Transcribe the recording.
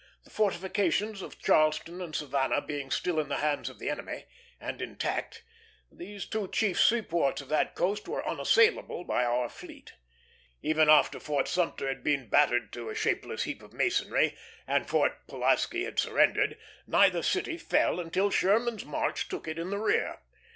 The fortifications of Charleston and Savannah being still in the hands of the enemy, and intact, these two chief seaports of that coast were unassailable by our fleet. Even after Fort Sumter had been battered to a shapeless heap of masonry, and Fort Pulaski had surrendered, neither city fell until Sherman's march took it in the rear.